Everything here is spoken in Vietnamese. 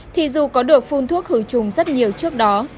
thì dù có được phun thuốc khử trùng rất nhiều trước đó